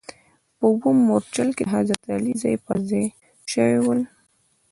په اووم مورچل کې د حضرت علي ځاې پر ځا ې شوي ول.